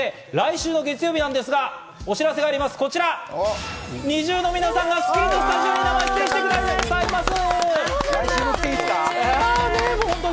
そして来週の月曜日なんですが、お知らせがあります、こちらＮｉｚｉＵの皆さんが『スッキリ』のスタジオに生出演してくださいます！